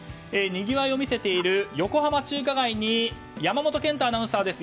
にぎわいを見せている横浜中華街に山本賢太アナウンサーです。